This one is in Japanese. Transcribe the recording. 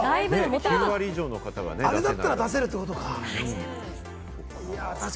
あれだったら出せるってことか。